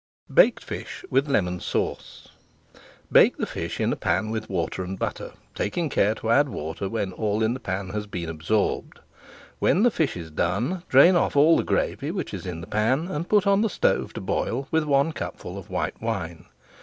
BAKED FISH WITH LEMON SAUCE Bake the fish in a pan with water and butter, taking care to add water when all in the pan has been absorbed. When the fish is done, drain off all the gravy which is in the pan, and put on the stove to boil with one cupful of white wine.